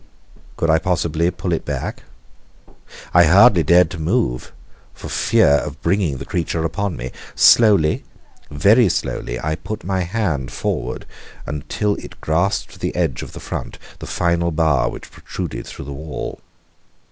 Could I possibly pull it back? I hardly dared to move for fear of bringing the creature upon me. Slowly, very slowly, I put my hand forward until it grasped the edge of the front, the final bar which protruded through the wall.